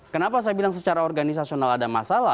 kenapa saya bilang secara organisasional ada masalah